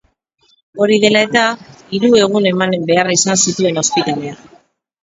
Hori dela eta, hiru egun eman behar izan zituen ospitalean.